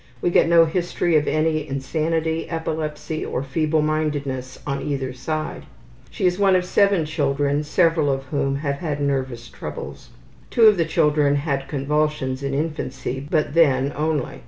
We get no history of any insanity, epilepsy, or feeblemindedness on either side. She is one of 7 children, several of whom have had nervous troubles. Two of the children had convulsions in infancy, but then only.